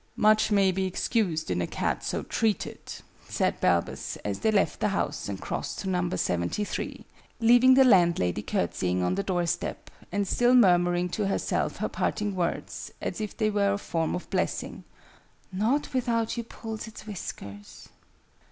"Much may be excused in a cat so treated," said Balbus, as they left the house and crossed to Number Seventy three, leaving the landlady curtseying on the doorstep, and still murmuring to herself her parting words, as if they were a form of blessing, " not without you pulls its whiskers!"